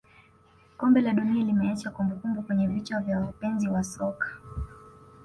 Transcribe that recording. kombe la dunia limeacha kumbukumbu kwenye vichwa vya wapenzi wa soka